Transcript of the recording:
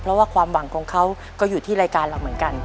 เพราะว่าความหวังของเขาก็อยู่ที่รายการเราเหมือนกัน